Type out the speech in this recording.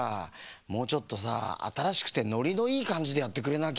もうちょっとさあたらしくてノリのいいかんじでやってくれなきゃ。